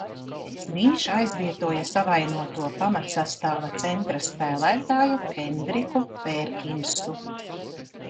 Viņš aizvietoja savainoto pamatsastāva centra spēlētāju Kendriku Pērkinsu.